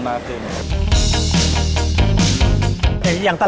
การแชร์ประสบการณ์